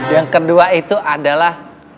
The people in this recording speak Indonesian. yang kedua itu adalah